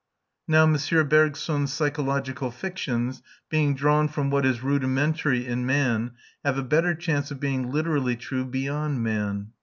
Now M. Bergson's psychological fictions, being drawn from what is rudimentary in man, have a better chance of being literally true beyond man.